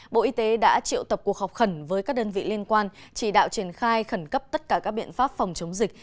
bộ y tế đã triệu tập cuộc họp khẩn với các đơn vị liên quan chỉ đạo triển khai khẩn cấp tất cả các biện pháp phòng chống dịch